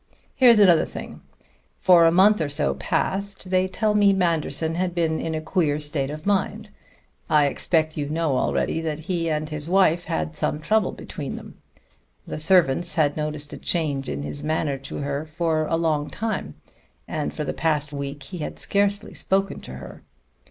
Here's another thing: for a month or so past, they tell me, Manderson had been in a queer state of mind. I expect you know already that he and his wife had some trouble between them. The servants had noticed a change in his manner to her for a long time, and for the past week he had scarcely spoken to her.